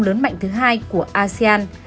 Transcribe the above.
lớn mạnh thứ hai của asean